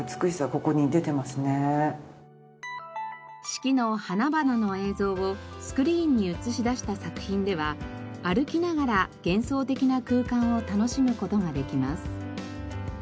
四季の花々の映像をスクリーンに映し出した作品では歩きながら幻想的な空間を楽しむ事ができます。